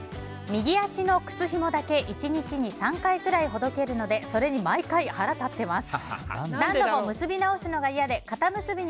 右足の靴ひもだけ１日に３回くらいほどけるのでそれに毎回腹立ってます。